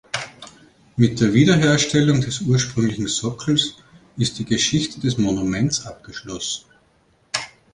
Mit der Wiederherstellung des ursprünglichen Sockels ist die Geschichte des Monuments abgeschlossen.